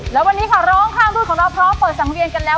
และวันนี้ค่ะร้องข้ามรุ่นของเราพร้อมเปิดสังเวียนกันแล้ว